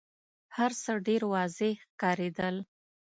هرڅه ډېر واضح ښکارېدل.